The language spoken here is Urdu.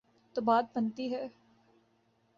تو بات بنتی ہے۔